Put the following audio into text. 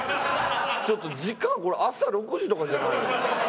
ちょっと時間これ朝６時とかじゃないの？